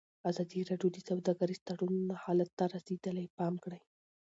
ازادي راډیو د سوداګریز تړونونه حالت ته رسېدلي پام کړی.